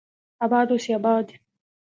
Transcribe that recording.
اباد اوسي اباد